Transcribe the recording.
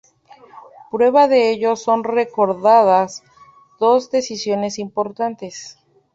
Prueba de ello son recordadas dos decisiones importantes.